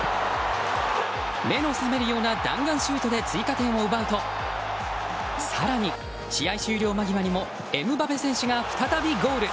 目の覚めるような弾丸シュートで追加点を奪うと更に、試合終了間際にもエムバペ選手が再びゴール。